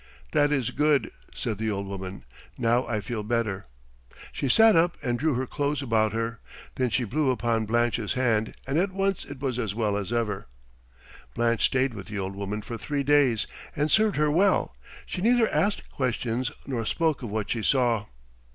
"That is good," said the old woman. "Now I feel better." She sat up and drew her clothes about her. Then she blew upon Blanche's hand, and at once it was as well as ever. Blanche stayed with the old woman for three days and served her well; she neither asked questions nor spoke of what she saw.